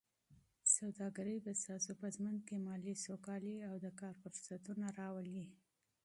سوداګري به ستاسو په ژوند کې مالي سوکالي او د کار فرصتونه راولي.